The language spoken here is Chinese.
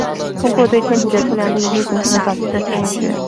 通过对天体的测量和研究形成了早期的天文学。